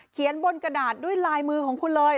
บนกระดาษด้วยลายมือของคุณเลย